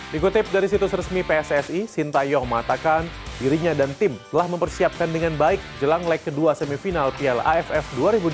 dikutip dari situs resmi pssi sintayong mengatakan dirinya dan tim telah mempersiapkan dengan baik jelang leg kedua semifinal piala aff dua ribu dua puluh